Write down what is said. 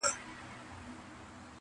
• ښه او بد د قاضي ټول ورته عیان سو..